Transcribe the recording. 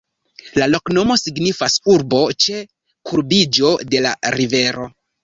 La loknomo signifas: urbo ĉe kurbiĝo de la rivero.